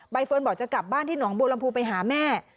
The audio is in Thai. เฟิร์นบอกจะกลับบ้านที่หนองบัวลำพูไปหาแม่